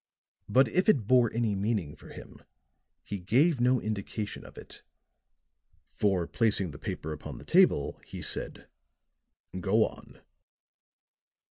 But if it bore any meaning for him, he gave no indication of it; for placing the paper upon the table, he said: "Go on."